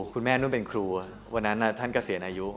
คุณแม่นุ่นเป็นครูวันนั้นท่านเกษียณอายุ